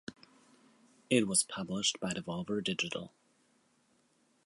It was published by Devolver Digital.